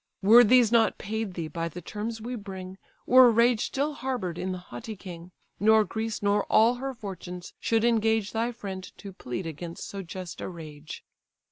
Were these not paid thee by the terms we bring, Were rage still harbour'd in the haughty king; Nor Greece nor all her fortunes should engage Thy friend to plead against so just a rage.